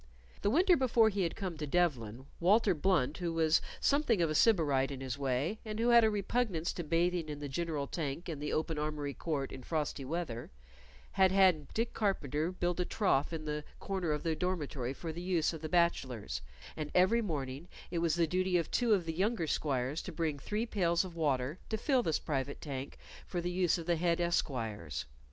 The winter before he had come to Devlen, Walter Blunt, who was somewhat of a Sybarite in his way, and who had a repugnance to bathing in the general tank in the open armory court in frosty weather, had had Dick Carpenter build a trough in the corner of the dormitory for the use of the bachelors, and every morning it was the duty of two of the younger squires to bring three pails of water to fill this private tank for the use of the head esquires.